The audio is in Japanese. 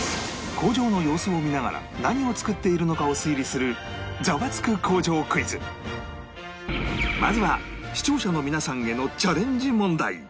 工場の様子を見ながら何を作っているのかを推理するまずは視聴者の皆さんへのチャレンジ問題